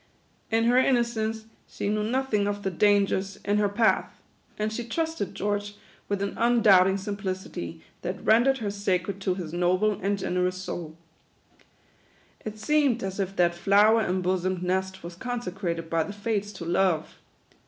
In her innocence, she knew nothing of the dangers in THE QUADROONS. 73 her path ; and she trusted George with an undoubt ing simplicity, that rendered her sacred to his noble and generous soul. It seemed as if that flower em bosomed nest was consecrated by the Fates to Love.